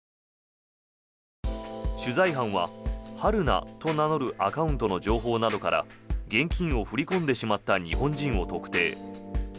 取材班は春奈と名乗るアカウントの情報などから現金を振り込んでしまった日本人を特定。